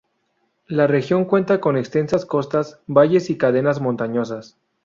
La región cuenta con extensas costas, valles y cadenas montañosas.